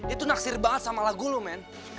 itu naksir banget sama lagu lu men